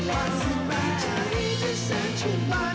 จากนี้จะเสร็จชีวิตบ้าน